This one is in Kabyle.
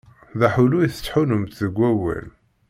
D aḥullu i tettḥullumt deg wawal.